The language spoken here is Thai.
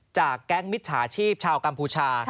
แก๊งมิจฉาชีพชาวกัมพูชา